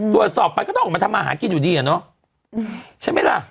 ตรวจสอบไปก็ต้องออกมาทำอาหารกินอยู่ดีอะเนาะใช่ไหมล่ะ